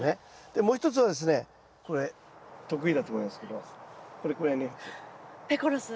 でもう一つはですねこれ得意だと思いますけどこれくらいのやつ。